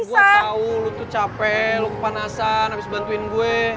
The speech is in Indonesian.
gue tau lu tuh capek lo kepanasan abis bantuin gue